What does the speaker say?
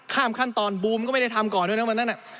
ข้ามขั้นตอนบูมก็ไม่ได้ทำก่อนด้วยนะครับ